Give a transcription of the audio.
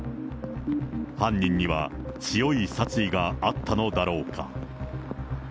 犯人には強い殺意があったのだろうか。